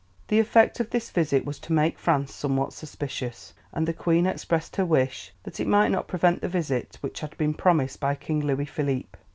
The effect of this visit was to make France somewhat suspicious, and the Queen expressed her wish that it might not prevent the visit which had been promised by King Louis Philippe.